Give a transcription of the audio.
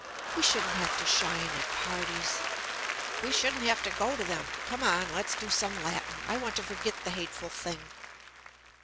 We shouldn't have to shine at parties." "We shouldn't have to go to them! Come on, let's do some Latin. I want to forget the hateful thing."